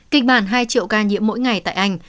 kịch bản hai triệu ca nhiễm mỗi ngày tại anh